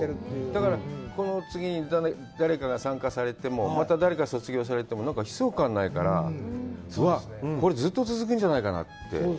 だから、この次、誰かが参加されても、また誰か卒業されても悲壮感がないから、うわあ、これ、ずっと続くんじゃないかなって。